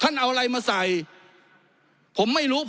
ท่านนายกคือทำร้ายระบอบประชาธิปไตยที่มีพระมหาคศัตริย์